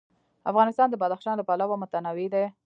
افغانستان د بدخشان له پلوه متنوع دی.